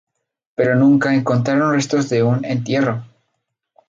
Pero nunca encontraron restos de un entierro.